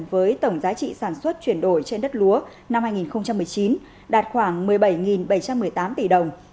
với tổng giá trị sản xuất chuyển đổi trên đất lúa năm hai nghìn một mươi chín đạt khoảng một mươi bảy bảy trăm một mươi tám tỷ đồng